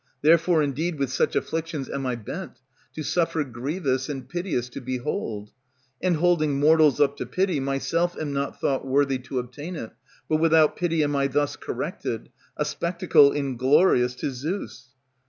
Therefore, indeed, with such afflictions am I bent, To suffer grievous, and piteous to behold, And, holding mortals up to pity, myself am not Thought worthy to obtain it; but without pity Am I thus corrected, a spectacle inglorious to Zeus.